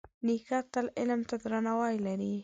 نیکه تل علم ته درناوی لري.